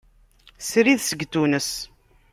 Srid seg Tunes.